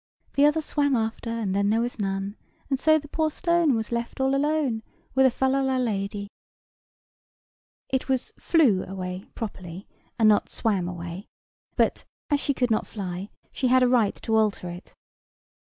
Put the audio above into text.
"The other swam after, and then there was none, And so the poor stone was left all alone; With a fal lal la lady." It was "flew" away, properly, and not "swam" away: but, as she could not fly, she had a right to alter it.